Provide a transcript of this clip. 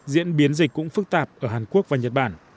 diễn biến dịch cũng phức tạp ở hàn quốc và nhật bản